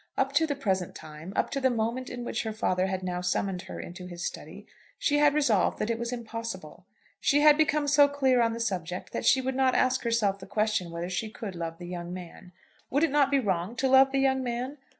Up to the present time, up to the moment in which her father had now summoned her into his study, she had resolved that it was "impossible." She had become so clear on the subject that she would not ask herself the question whether she could love the young man. Would it not be wrong to love the young man?